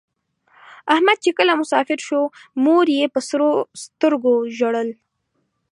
احمد چې کله مسافر شو مور یې په سرو سترگو ژړل.